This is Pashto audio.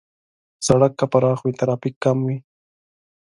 سړک که پراخ وي، ترافیک کم وي.